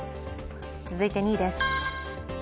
続いて２位です。